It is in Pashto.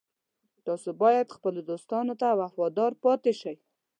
تاسو باید خپلو دوستانو ته وفادار پاتې شئ